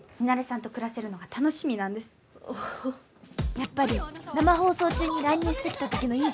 やっぱり生放送中に乱入してきた時の印象が強烈で。